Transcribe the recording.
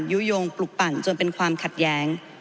ยุโยงปลุกปั่นจนเป็นความขัดแย้ง